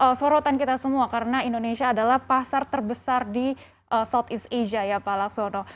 jadi ini adalah perurutan kita semua karena indonesia adalah pasar terbesar di south east asia ya pak lafsono